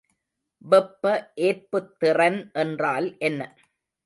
வெப்பஏற்புத்திறன் என்றால் என்ன?